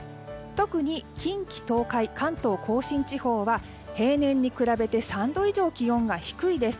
特に近畿・東海関東・甲信地方は平年に比べて３度以上気温が低いです。